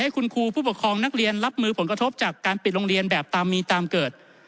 คุณครูผู้ปกครองนักเรียนรับมือผลกระทบจากการปิดโรงเรียนแบบตามมีตามเกิด